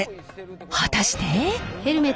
果たして？